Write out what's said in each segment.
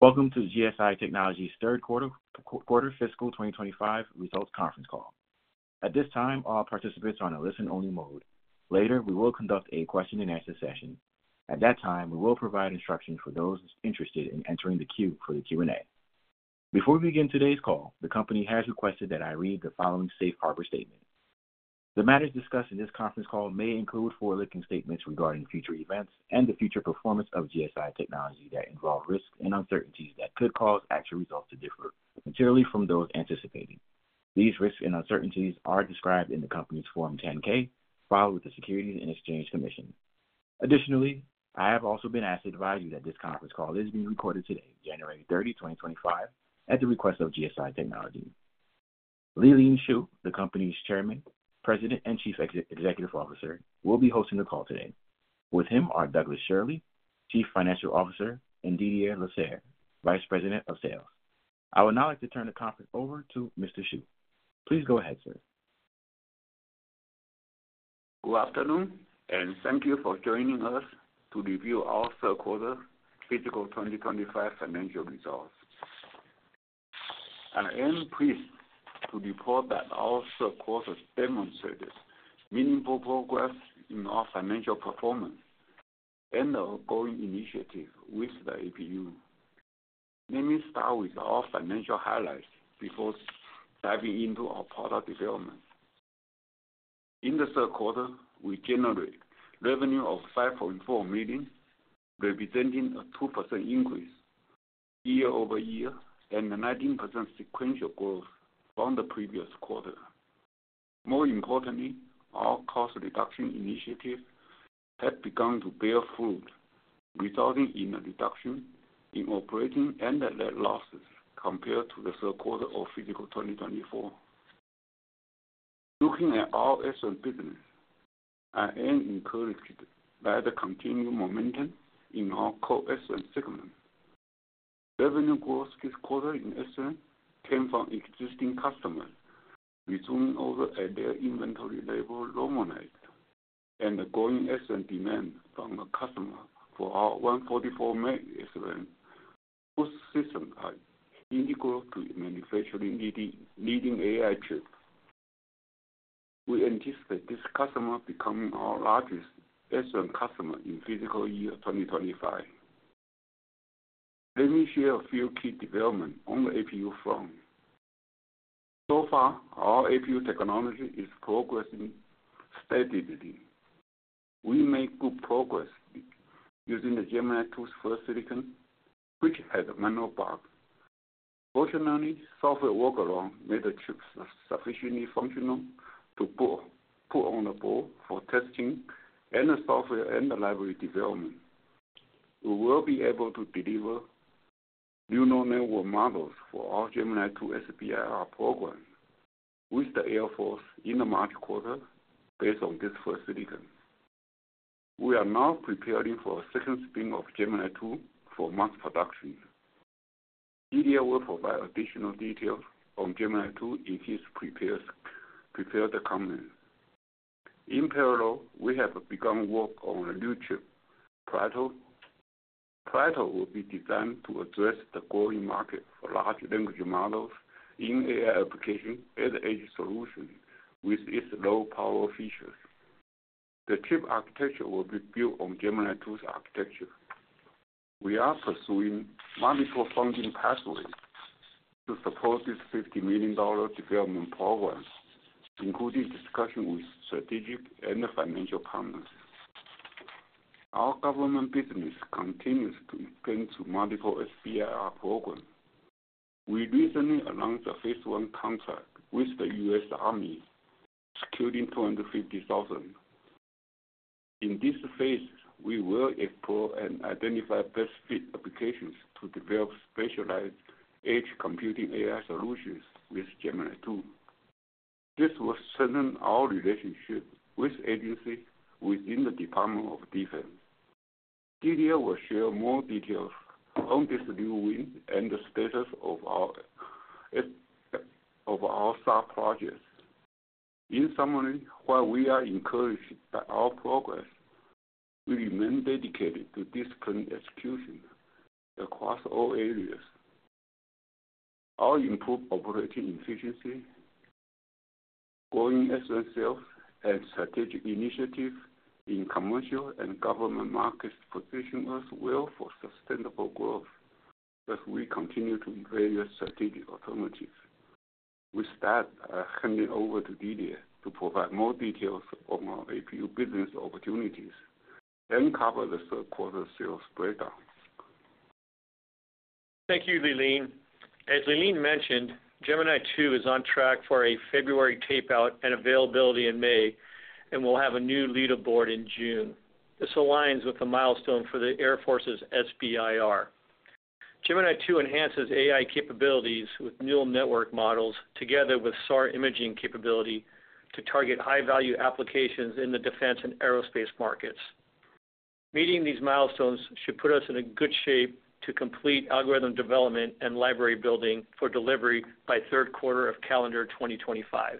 Welcome to GSI Technology's Q3 Fiscal 2025 results conference call. At this time, all participants are in a listen-only mode. Later, we will conduct a question-and-answer session. At that time, we will provide instructions for those interested in entering the queue for the Q&A. Before we begin today's call, the company has requested that I read the following safe harbor statement. The matters discussed in this conference call may include forward-looking statements regarding future events and the future performance of GSI Technology that involve risks and uncertainties that could cause actual results to differ materially from those anticipated. These risks and uncertainties are described in the company's Form 10-K, filed with the Securities and Exchange Commission. Additionally, I have also been asked to advise you that this conference call is being recorded today, January 30, 2025, at the request of GSI Technology. Lee-Lean Shu, the company's Chairman, President, and Chief Executive Officer, will be hosting the call today. With him are Douglas Schirle, Chief Financial Officer, and Didier Lasserre, Vice President of Sales. I would now like to turn the conference over to Mr. Shu. Please go ahead, sir. Good afternoon, and thank you for joining us to review our Q3 Fiscal 2025 Financial Results. I am pleased to report that our Q3 demonstrated meaningful progress in our financial performance and the ongoing initiative with the APU. Let me start with our financial highlights before diving into our product development. In the Q3, we generated revenue of $5.4 million, representing a 2% increase year-over-year and a 19% sequential growth from the previous quarter. More importantly, our cost reduction initiative had begun to bear fruit, resulting in a reduction in operating and net losses compared to Q3 of fiscal 2024. Looking at our aerospace business, I am encouraged by the continued momentum in our core aerospace segment. Revenue growth this quarter in SRAM came from existing customers resuming orders at their inventory levels low moments, and the growing SRAM demand from our customer for our 144Mb Rad-Hard SRAM system are integral to manufacturing leading AI chips. We anticipate this customer becoming our largest SRAM customer in fiscal year 2025. Let me share a few key developments on the APU front. So far, our APU technology is progressing steadily. We made good progress using the Gemini 2 first silicon, which had a minor bug. Fortunately, software workarounds made the chips sufficiently functional to put on the board for testing and software and library development. We will be able to deliver neural network models for our Gemini 2 SBIR program with the Air Force in the March quarter based on this first silicon. We are now preparing for a second spin of Gemini 2 for mass production. Didier will provide additional details on Gemini 2 in his prepared comments. In parallel, we have begun work on a new chip, Plato. Plato will be designed to address the growing market for large language models in AI application as a solution with its low-power features. The chip architecture will be built on Gemini 2's architecture. We are pursuing multiple funding pathways to support this $50 million development program, including discussion with strategic and financial partners. Our government business continues to expand to multiple SBIR programs. We recently announced a phase I contract with the U.S. Army, securing $250,000. In this phase, we will explore and identify best-fit applications to develop specialized edge computing AI solutions with Gemini 2. This will strengthen our relationship with agencies within the Department of Defense. Didier will share more details on this new win and the status of our SAR projects. In summary, while we are encouraged by our progress, we remain dedicated to disciplined execution across all areas. Our improved operating efficiency, growing Rad-Hard sales, and strategic initiative in commercial and government markets position us well for sustainable growth as we continue to evaluate strategic alternatives. We start handing over to Didier to provide more details on our APU business opportunities, then cover the Q3 sales breakdown. Thank you, Lee-Lean. As Lee-Lean mentioned, Gemini 2 is on track for a February tape-out and availability in May, and we'll have a new leaderboard in June. This aligns with the milestone for the Air Force's SBIR. Gemini 2 enhances AI capabilities with neural network models together with SAR imaging capability to target high-value applications in the defense and aerospace markets. Meeting these milestones should put us in good shape to complete algorithm development and library building for delivery by Q3 of calendar 2025.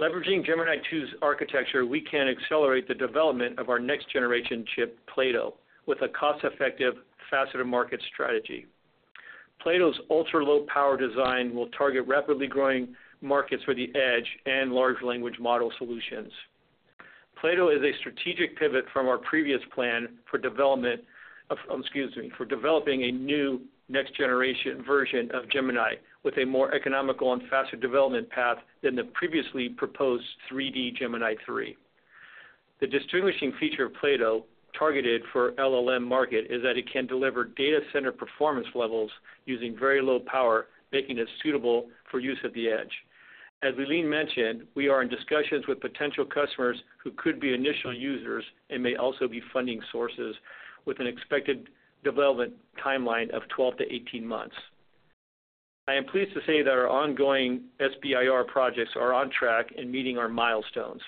Leveraging Gemini 2's architecture, we can accelerate the development of our next-generation chip, Plato, with a cost-effective fast-to-market strategy. Plato's ultra-low-power design will target rapidly growing markets for the edge and large language model solutions. Plato is a strategic pivot from our previous plan for developing a new next-generation version of Gemini with a more economical and faster development path than the previously proposed 3D Gemini 3. The distinguishing feature of Plato targeted for the LLM market is that it can deliver data center performance levels using very low power, making it suitable for use at the edge. As Lee-Lean Shu mentioned, we are in discussions with potential customers who could be initial users and may also be funding sources with an expected development timeline of 12 to 18 months. I am pleased to say that our ongoing SBIR projects are on track and meeting our milestones.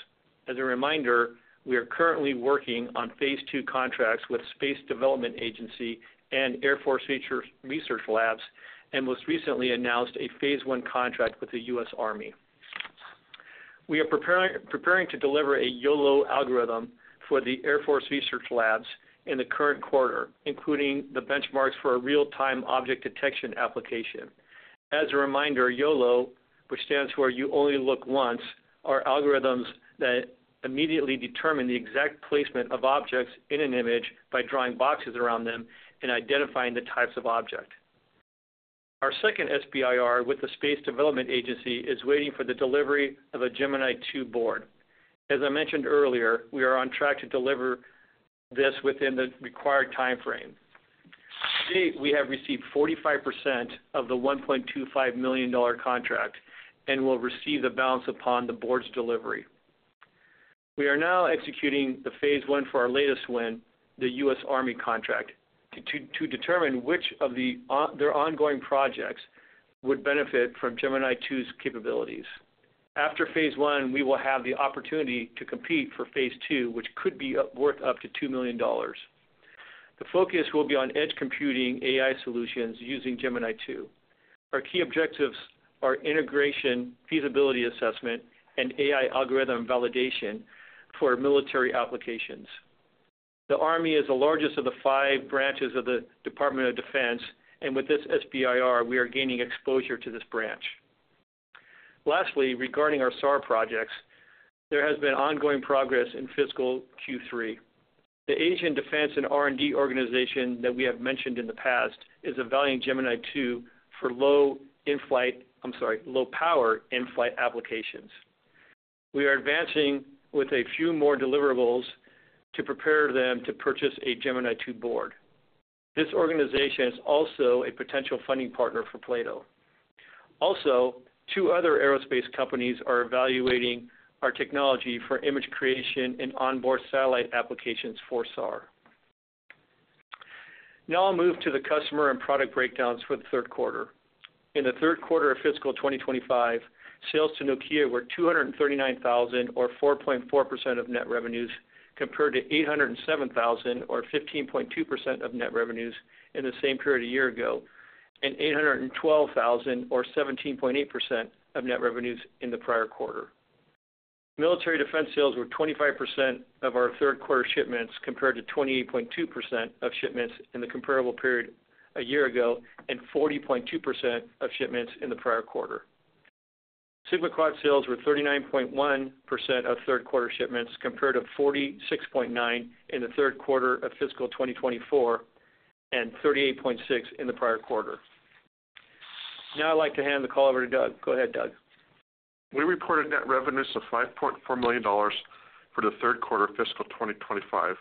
As a reminder, we are currently working on phase II contracts with Space Development Agency and Air Force Research Laboratory and most recently announced a phase I contract with the U.S. Army. We are preparing to deliver a YOLO algorithm for the Air Force Research Laboratory in the current quarter, including the benchmarks for a real-time object detection application. As a reminder, YOLO, which stands for you only look once, are algorithms that immediately determine the exact placement of objects in an image by drawing boxes around them and identifying the types of objects. Our second SBIR with the Space Development Agency is waiting for the delivery of a Gemini 2 board. As I mentioned earlier, we are on track to deliver this within the required timeframe. Today, we have received 45% of the $1.25 million contract and will receive the balance upon the board's delivery. We are now executing the phase I for our latest win, the U.S. Army contract, to determine which of their ongoing projects would benefit from Gemini 2's capabilities. After phase I, we will have the opportunity to compete for phase II, which could be worth up to $2 million. The focus will be on edge computing AI solutions using Gemini 2. Our key objectives are integration, feasibility assessment, and AI algorithm validation for military applications. The Army is the largest of the five branches of the Department of Defense, and with this SBIR, we are gaining exposure to this branch. Lastly, regarding our SAR projects, there has been ongoing progress in fiscal Q3. The Asian Defense and R&D organization that we have mentioned in the past is evaluating Gemini 2 for low-power in-flight applications. We are advancing with a few more deliverables to prepare them to purchase a Gemini 2 board. This organization is also a potential funding partner for Plato. Also, two other aerospace companies are evaluating our technology for image creation and onboard satellite applications for SAR. Now I'll move to the customer and product breakdowns for Q3. In Q3 of fiscal 2025, sales to Nokia were $239,000, or 4.4% of net revenues, compared to $807,000, or 15.2% of net revenues in the same period a year ago, and $812,000, or 17.8% of net revenues in the prior quarter. Military defense sales were 25% of our Q3 shipments compared to 28.2% of shipments in the comparable period a year ago and 40.2% of shipments in the prior quarter. SigmaQuad sales were 39.1% of Q3 shipments compared to 46.9% in Q3 of fiscal 2024 and 38.6% in the prior quarter. Now I'd like to hand the call over to Doug. Go ahead, Doug. We reported net revenues of $5.4 million for Q3 of fiscal 2025,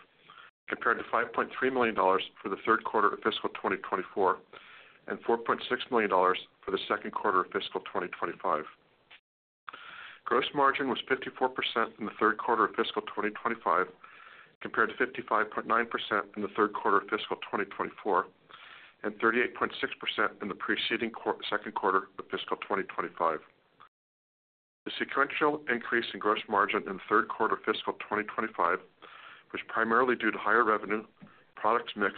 compared to $5.3 million for Q3 of fiscal 2024 and $4.6 million for Q2 of fiscal 2025. Gross margin was 54% in Q3 of fiscal 2025, compared to 55.9% in Q3 of fiscal 2024 and 38.6% in the preceding Q2 of fiscal 2025. The sequential increase in gross margin in Q3 of fiscal 2025 was primarily due to higher revenue, product mix,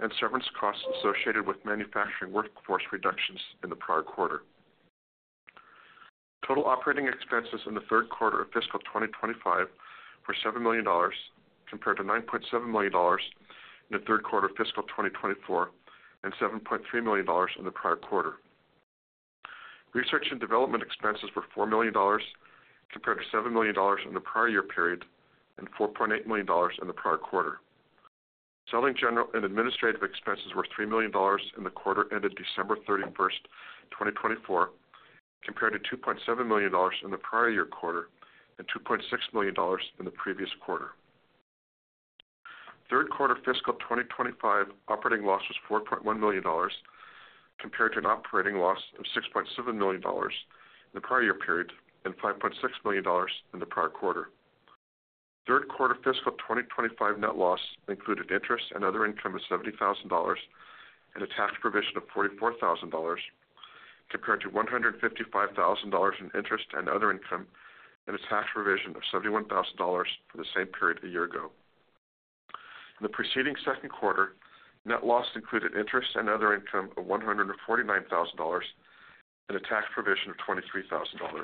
and severance costs associated with manufacturing workforce reductions in the prior quarter. Total operating expenses in Q3 of fiscal 2025 were $7 million, compared to $9.7 million in Q3 of fiscal 2024 and $7.3 million in the prior quarter. Research and development expenses were $4 million, compared to $7 million in the prior year period and $4.8 million in the prior quarter. Selling, general and administrative expenses were $3 million in the quarter ended 31 December, 2024, compared to $2.7 million in the prior year quarter and $2.6 million in the previous quarter. Q3 fiscal 2025 operating loss was $4.1 million, compared to an operating loss of $6.7 million in the prior year period and $5.6 million in the prior quarter. Q3 fiscal 2025 net loss included interest and other income of $70,000 and a tax provision of $44,000, compared to $155,000 in interest and other income and a tax provision of $71,000 for the same period a year ago. In the preceding Q2, net loss included interest and other income of $149,000 and a tax provision of $23,000.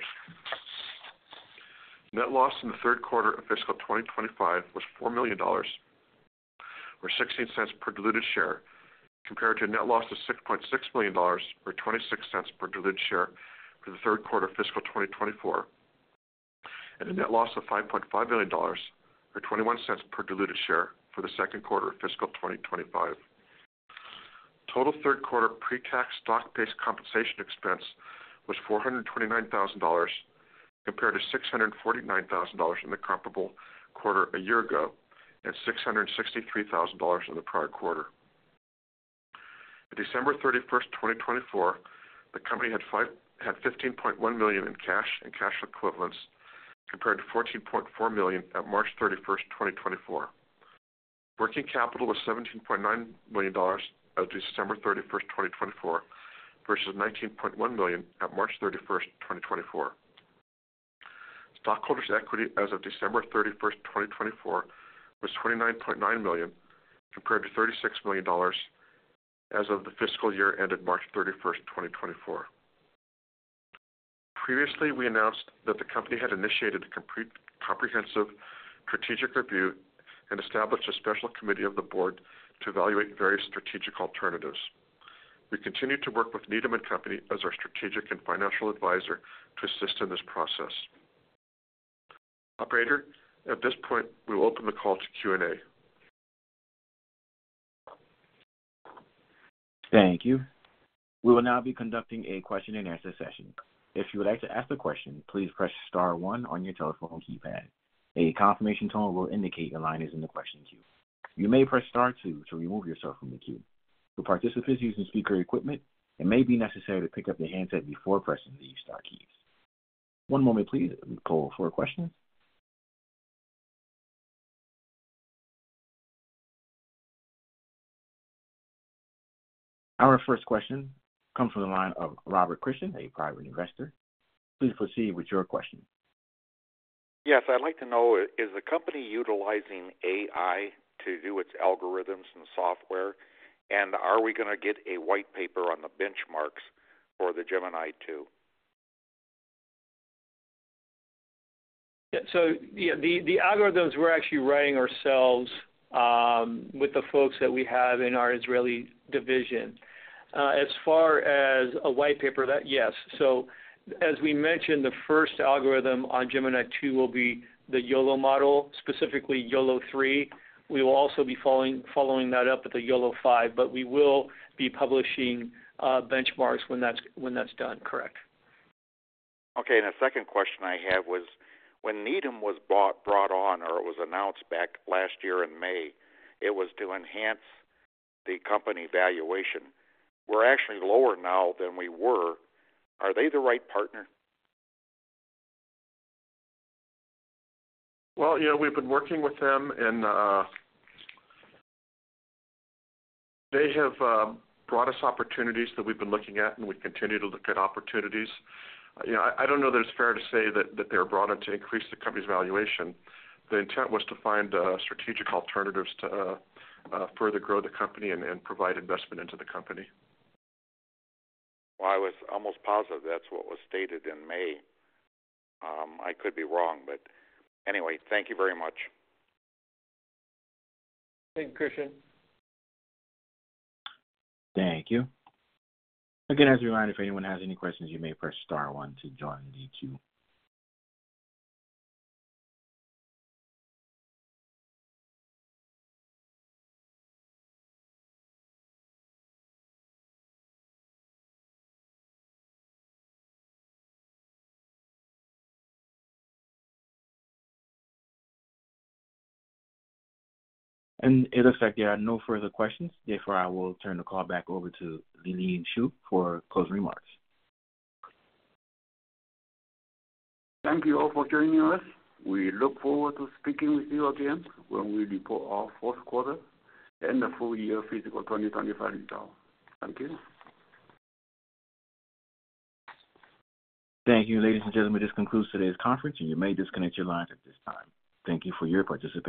Net loss in Q3 of fiscal 2025 was $4 million or $0.16 per diluted share, compared to a net loss of $6.6 million or $0.26 per diluted share for Q3 of fiscal 2024, and a net loss of $5.5 million or $0.21 per diluted share for Q2 of fiscal 2025. Total Q3 pre-tax stock-based compensation expense was $429,000, compared to $649,000 in the comparable quarter a year ago and $663,000 in the prior quarter. On 31 December, 2024, the company had $15.1 million in cash and cash equivalents, compared to $14.4 million at 31 March, 2024. Working capital was $17.9 million as of 31 December, 2024, versus $19.1 million at 31 March, 2024. Stockholders' equity as of 31 December, 2024, was $29.9 million, compared to $36 million as of the fiscal year ended 31 March, 2024. Previously, we announced that the company had initiated a comprehensive strategic review and established a special committee of the board to evaluate various strategic alternatives. We continue to work with Lincoln International as our strategic and financial advisor to assist in this process. Operator, at this point, we will open the call to Q&A. Thank you. We will now be conducting a question-and-answer session. If you would like to ask a question, please press star one on your telephone keypad. A confirmation tone will indicate your line is in the question queue. You may press star two to remove yourself from the queue. For participants using speaker equipment, it may be necessary to pick up the handset before pressing these star keys. One moment, please, Nicole, for questions. Our first question comes from the line of Robert Christian, a private investor. Please proceed with your question. Yes, I'd like to know, is the company utilizing AI to do its algorithms and software, and are we going to get a white paper on the benchmarks for the Gemini 2? Yeah, so the algorithms we're actually writing ourselves with the folks that we have in our Israeli division. As far as a white paper, yes. So as we mentioned, the first algorithm on Gemini 2 will be the YOLO model, specifically YOLO 3. We will also be following that up with the YOLO 5, but we will be publishing benchmarks when that's done. Correct. Okay, and the second question I have was, when Lincoln was brought on or it was announced back last year in May, it was to enhance the company valuation. We're actually lower now than we were. Are they the right partner? Well, yeah, we've been working with them, and they have brought us opportunities that we've been looking at, and we continue to look at opportunities. I don't know that it's fair to say that they're brought in to increase the company's valuation. The intent was to find strategic alternatives to further grow the company and provide investment into the company. I was almost positive that's what was stated in May. I could be wrong, but anyway, thank you very much. Thank you, Christian. Thank you. Again, as a reminder, if anyone has any questions, you may press star one to join the queue. And it looks like, yeah, no further questions. Therefore, I will turn the call back over to Lee-Lean Shu for closing remarks. Thank you all for joining us. We look forward to speaking with you again when we report our Q4 and the full year fiscal 2025 results. Thank you. Thank you, ladies and gentlemen. This concludes today's conference, and you may disconnect your lines at this time. Thank you for your participation.